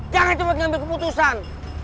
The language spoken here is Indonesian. jangan cuma ngambil keputusan